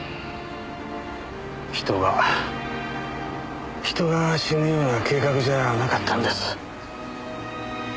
人が人が死ぬような計画じゃなかったんです。